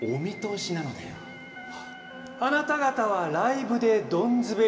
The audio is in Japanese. あなた方はライブでドンズベり。